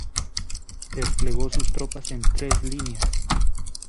Desplegó sus tropas en tres líneas.